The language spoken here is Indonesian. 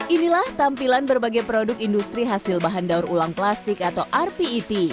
inilah tampilan berbagai produk industri hasil bahan daur ulang plastik atau rpet